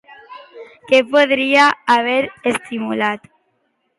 Què podria haver estimulat?